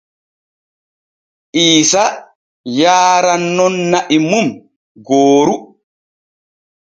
Iisa yaaran nun na’i mum gooru.